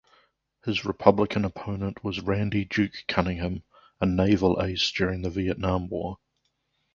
His Republican opponent was Randy "Duke" Cunningham, a naval "ace" during the Vietnam War.